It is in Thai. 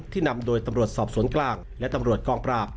นำโดยตำรวจสอบสวนกลางและตำรวจกองปราบ